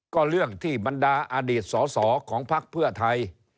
ก็เรื่องที่บรรดาอดีตสอสอของพักเพื่อไทย